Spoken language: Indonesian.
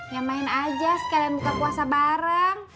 ya main aja sekalian buka puasa bareng